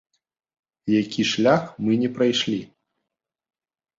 Які шлях мы не прайшлі?